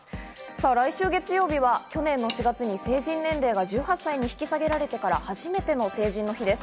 来週の月曜日は、去年４月に成人年齢が１８歳に引き下げられてから初めての成人の日です。